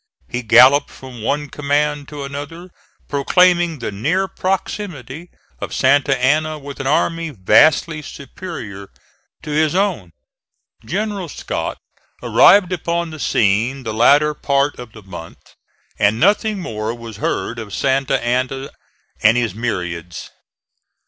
He galloped from one command to another proclaiming the near proximity of Santa Anna with an army vastly superior to his own. General Scott arrived upon the scene the latter part of the month, and nothing more was heard of Santa Anna and his myriads.